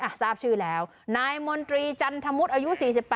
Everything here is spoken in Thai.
ทราบชื่อแล้วนายมนตรีจันทมุทรอายุ๔๘